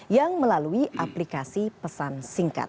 yang melalui aplikasi pesan singkat